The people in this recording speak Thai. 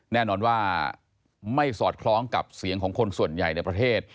แน่นอนว่าไม่สอดคล้องกับเสียงของคนส่วนใหญ่ในประเทศ